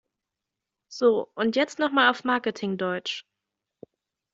So, und jetzt noch mal auf Marketing-Deutsch!